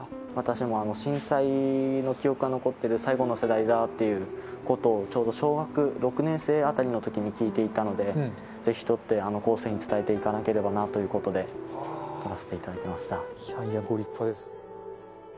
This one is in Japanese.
私も震災の記憶が残っている最後の世代だっていうことを、ちょうど小学６年生あたりのときに聞いていたので、ぜひ取って、後世に伝えていかなければなということで、取らせていただきましいやいや、ご立派です。